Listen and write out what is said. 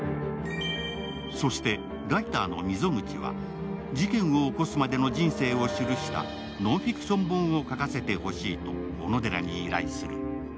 そして、ライターの溝口は事件を起こすまでの人生を記したノンフィクション本を書かせてほしいと小野寺に依頼する。